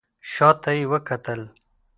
شا ته یې وکتل.